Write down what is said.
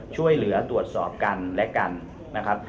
ช่วยเหลือตรวจสอบกันและกันนะครับ